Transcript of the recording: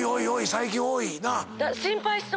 最近多い。